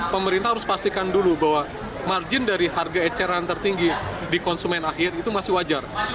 pemerintah harus pastikan dulu bahwa margin dari harga eceran tertinggi di konsumen akhir itu masih wajar